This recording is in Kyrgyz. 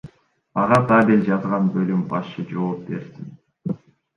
Ага табель жазган бөлүм башчы жооп берсин.